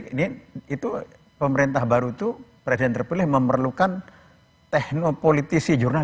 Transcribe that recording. ini itu pemerintah baru itu presiden terpilih memerlukan teknopoliti